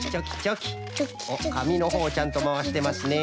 おっかみのほうをちゃんとまわしてますね。